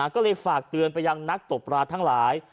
ก็เลยฝากเตือนไปยังนักตกปลาทั้งหลาย